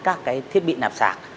các thiết bị nạp sạc